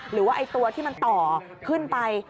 หรือว่าตัวที่มันต่อขึ้นไป